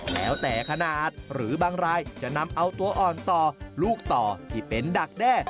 แล้วแต่ขนาดหรือบางรายจะนำเอาตัวอ่อนต่อลูกต่อที่เป็นดักแด้